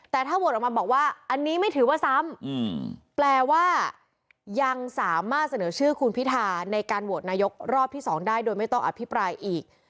แต่ถ้าโหวตออกมาบอกว่าอันนี้ไม่ถือว่าซ้ำแปลว่ายังสามารถเสนอชื่อคุณพิธาในการโหวตนายกรอบที่๒ได้โดยไม่ต้องอภิปรายอีก